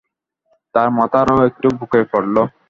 তাঁর মাথা আরো একটু বুকে পড়ল।